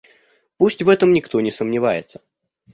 Пусть в этом никто не сомневается.